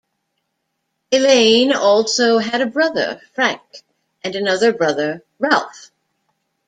Elaine also had a brother, Frank, and another brother, Ralph.